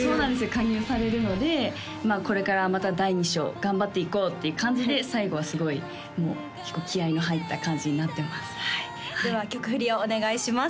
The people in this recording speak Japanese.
加入されるのでこれからまた第２章頑張っていこうっていう感じで最後はすごい気合いの入った感じになってますでは曲振りをお願いします